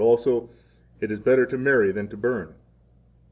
Also: It is better to marry than to burn.